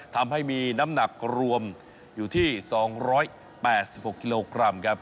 ทำให้มีน้ำหนักรวมอยู่ที่๒๘๖กิโลกรัมครับ